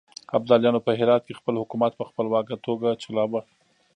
ابداليانو په هرات کې خپل حکومت په خپلواکه توګه چلاوه.